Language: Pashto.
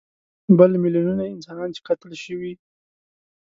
بل میلیونونه انسانان چې قتل شوي.